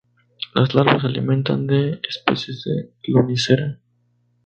Las larvas se alimentan de especies de "Lonicera".